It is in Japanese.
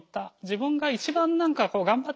自分が一番何か頑張ってる。